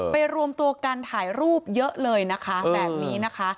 ไปรวมตัวกันถ่ายรูปเยอะเลยนะคะ